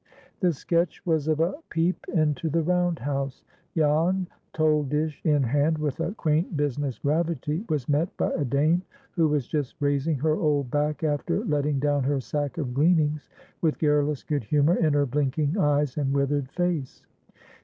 The sketch was of a peep into the round house. Jan, toll dish in hand, with a quaint business gravity, was met by a dame who was just raising her old back after letting down her sack of gleanings, with garrulous good humor in her blinking eyes and withered face.